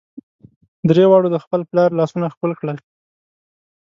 درې واړو د خپل پلار لاسونه ښکل کړل.